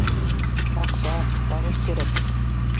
Аҡса, табыш кәрәк